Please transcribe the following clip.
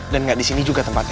dan gak di sini juga tempatnya